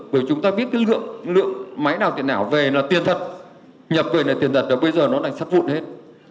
bởi chúng ta biết lượng máy đào tiền nào về là tiền thật nhập về là tiền thật bây giờ đã sắt vụn hết